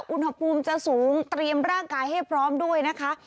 อุณหภูมิจะสูงเตรียมร่างกายให้พร้อมด้วยนะคะ